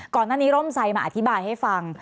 ก่อนหน้านี้ร่มไซดมาอธิบายให้ฟัง